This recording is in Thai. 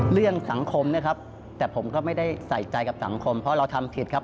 เรื่องสังคมนะครับแต่ผมก็ไม่ได้ใส่ใจกับสังคมเพราะเราทำผิดครับ